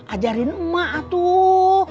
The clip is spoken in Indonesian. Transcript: ajarin mak tuh